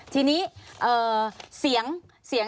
ทีนี้เสียง